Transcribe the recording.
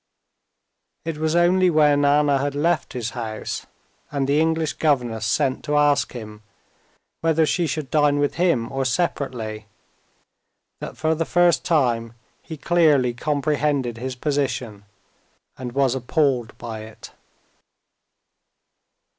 It was only when Anna had left his house, and the English governess sent to ask him whether she should dine with him or separately, that for the first time he clearly comprehended his position, and was appalled by it.